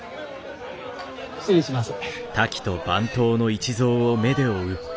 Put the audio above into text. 失礼します。